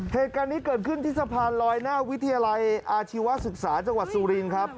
เหตุการณ์นี้เกิดขึ้นที่สะพานลอยหน้าวิทยาลัยอาชีวศึกษาจังหวัดสุรินครับ